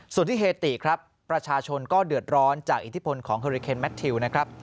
ส่วนที่เฮติครับประชาชนก็เดือดร้อนจากอิทธิพลของเฮอริเคนแมททิวนะครับ